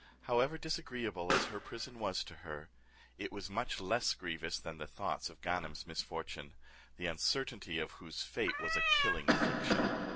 However, disagreeable as her prison was to her, it was much less grievous than the thoughts of Ganem's misfortune, the uncertainty of whose fate was a killing affliction.